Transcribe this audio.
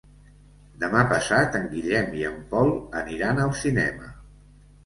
Demà passat en Guillem i en Pol aniran al cinema.